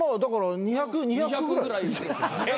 ２００ぐらい。